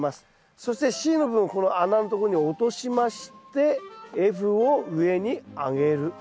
そしてＣの部分をこの穴のとこに落としましてＦを上に上げる。